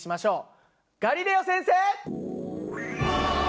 ガリレオ先生！